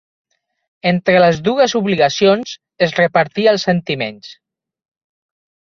Entre les dugues obligacions, es repartia els sentiments